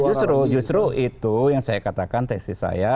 justru justru itu yang saya katakan tesis saya